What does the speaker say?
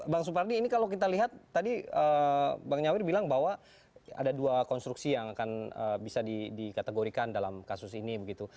bang supardi ini kalau kita lihat tadi bang nyawir bilang bahwa ada dua konstruksi yang akan bisa dikategorikan dalam kasus ini begitu